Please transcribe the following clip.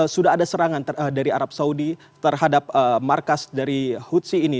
sudah ada serangan dari arab saudi terhadap markas dari hutsi ini